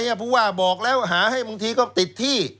เพราะว่าบอกแล้วหาให้บางทีก็ติดที่